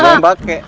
gue yang pake